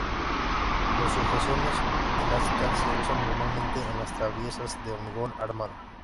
Las sujeciones elásticas se usan normalmente en las traviesas de hormigón armado.